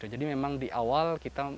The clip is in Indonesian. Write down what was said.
jadi memang di awal kita